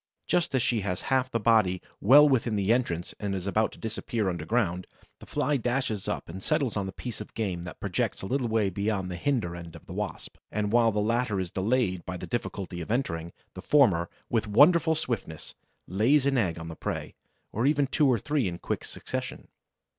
Just as she has half her body well within the entrance and is about to disappear underground, the Fly dashes up and settles on the piece of game that projects a little way beyond the hinder end of the Wasp; and while the latter is delayed by the difficulty of entering, the former, with wonderful swiftness, lays an egg on the prey, or even two or three in quick succession.